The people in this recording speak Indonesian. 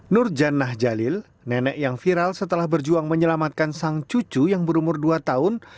nur jan nah jalil nenek yang viral setelah berjuang menyelamatkan sang cucu yang berumur dua tahun